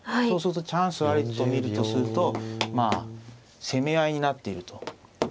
そうするとチャンスありと見るとすると攻め合いになっていると。